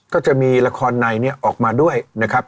ก็จะมีละครในนี้ออกมาด้วยนะครับ